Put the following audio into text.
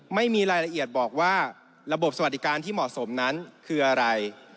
ไม่มีรายละเอียดบอกว่าระบบสวัสดิการที่เหมาะสมนั้นคืออะไร